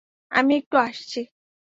আমি একটু আসছি।